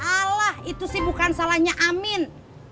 salah itu sih bukan salahnya amin